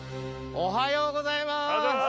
おはようございます。